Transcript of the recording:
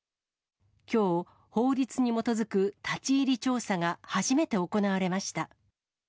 きょう、法律に基づく立ち入り調査が初めて行われました。